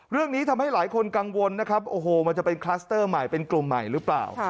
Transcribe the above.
เรื่องนี้ทำให้หลายคนกังวลนะครับโอ้โหมันจะเป็นคลัสเตอร์ใหม่เป็นกลุ่มใหม่หรือเปล่า